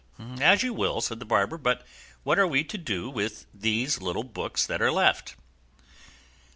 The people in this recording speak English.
"As you will," said the barber; "but what are we to do with these little books that are left?"